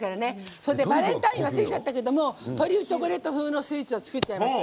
それで、バレンタインは過ぎちゃったけどトリュフチョコレート風に作っちゃいます。